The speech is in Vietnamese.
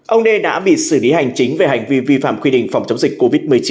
ông đê đã bị xử lý hành chính về hành vi vi phạm quy định phòng chống dịch covid một mươi chín